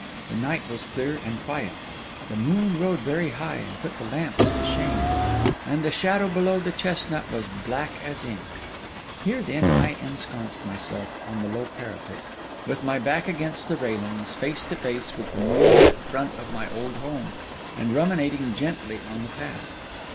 The night was clear and quiet; the moon rode very high and put the lamps to shame; and the shadow below the chestnut was black as ink. Here, then, I ensconced myself on the low parapet, with my back against the railings, face to face with the moonlit front of my old home, and ruminating gently on the past.